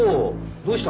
どうした。